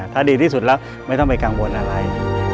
ถ้าดีที่สุดแล้วไม่ต้องไปกังวลอะไร